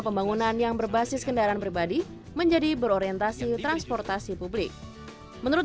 pembangunan yang berbasis kendaraan pribadi menjadi berorientasi transportasi publik menurut